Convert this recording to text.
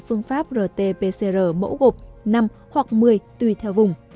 phương pháp rt pcr mẫu gộp năm hoặc một mươi tùy theo vùng